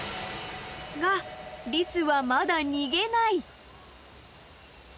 ［がリスはまだ逃げない］